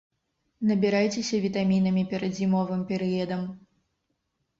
Набірайцеся вітамінамі перад зімовым перыядам.